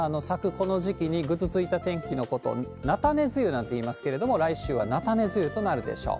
この時期に、ぐずついた天気のことを、菜種梅雨なんていいますけれども、来週は菜種梅雨となるでしょう。